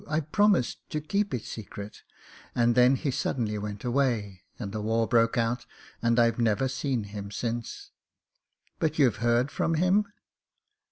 I promised to keep it secret; and then he suddenly went away and the war broke out and I've never seen him since." "But you've heard from him?"